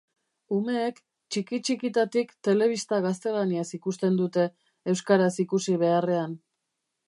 Umeek txiki-txikitatik telebista gaztelaniaz ikusten dute euskaraz ikusi beharrean.